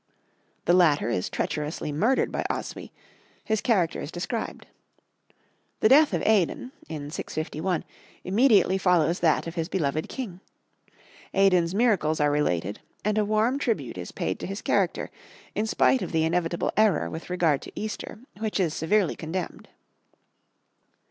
The latter is treacherously murdered by Oswy; his character is described. The death of Aidan (in 651) immediately follows that of his beloved king; Aidan's miracles are related, and a warm tribute is paid to his character, in spite of the inevitable error with regard to Easter, which is severely condemned.